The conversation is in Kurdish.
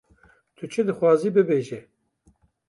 Tu çi dixwazî bibêje.